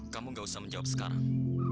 kamu tidak perlu menjawab sekarang